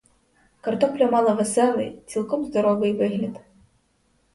Картопля мала веселий, цілком здоровий вигляд.